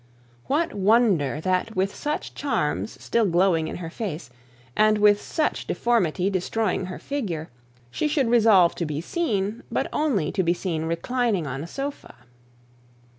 What wonder that with such charms still glowing in her face, and with such deformity destroying her figure, she should resolve to be seen, but only to be seen reclining on a sofa.